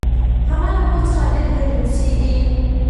هغه له ما څخه ډېر لرې اوسیږي